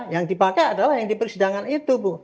yang dipakai adalah yang di persidangan itu bu